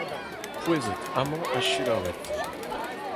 Pouezit amañ ha selaouit !